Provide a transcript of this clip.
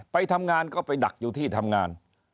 ไปทำงานก็ไปดักอยู่ที่ทำงาน